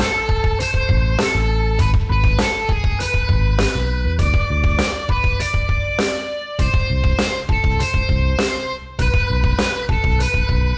akan kita menang